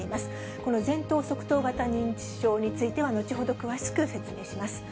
この前頭側頭型認知症については、後ほど詳しく説明します。